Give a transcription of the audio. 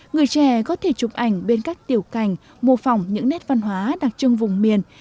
người trẻ có thể chụp ảnh bên các tiểu cảnh mô phỏng những nét văn hóa đặc trưng vùng miền